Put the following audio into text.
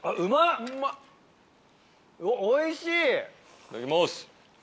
いただきます。